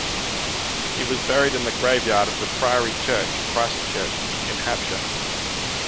He was buried in the graveyard of the Priory Church, Christchurch in Hampshire.